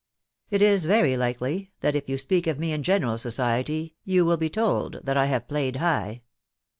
It is very likely, that if you speak of me in general society, you will be told that I have played high.